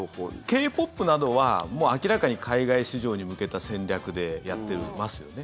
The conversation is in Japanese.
Ｋ−ＰＯＰなどは明らかに海外市場に向けた戦略でやってますよね。